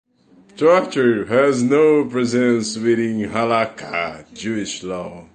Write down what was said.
Torture has no presence within "halakha" (Jewish law).